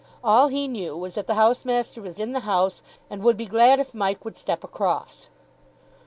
All he knew was that the housemaster was in the house, and would be glad if Mike would step across.